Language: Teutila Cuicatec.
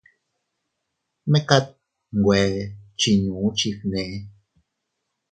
Mekat nwe chiinnu chifgnee.